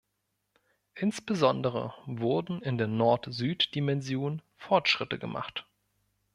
Insbesondere wurden in der Nord-Süd-Dimension Fortschritte gemacht.